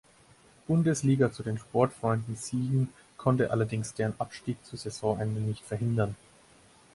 Bundesliga zu den Sportfreunden Siegen, konnte allerdings deren Abstieg zu Saisonende nicht verhindern.